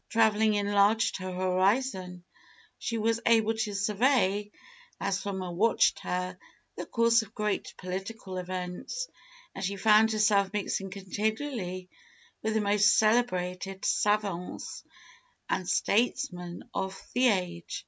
Travelling enlarged her horizon: she was able to survey, as from a watch tower, the course of great political events, and she found herself mixing continually with the most celebrated savants and statesmen of the age.